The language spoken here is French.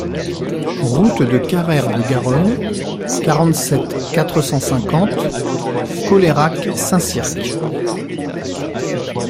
Route de Carrère de Garonne, quarante-sept, quatre cent cinquante Colayrac-Saint-Cirq